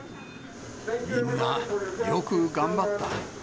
みんなよく頑張った。